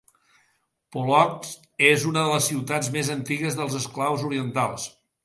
Polotsk és una de les ciutats més antigues dels eslaus orientals.